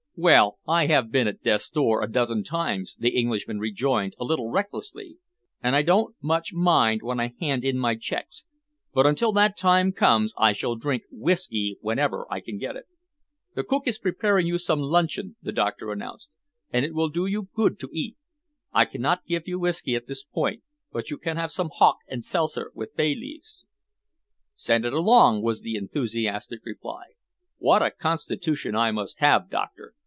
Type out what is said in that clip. "Well, I have been at death's door a dozen times," the Englishman rejoined a little recklessly, "and I don't much mind when I hand in my checks, but until that time comes I shall drink whisky whenever I can get it." "The cook is preparing you some luncheon," the doctor announced, "and it will do you good to eat. I cannot give you whisky at this moment, but you can have some hock and seltzer with bay leaves." "Send it along," was the enthusiastic reply. "What a constitution I must have, doctor!